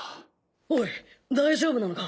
おい大丈夫なのか？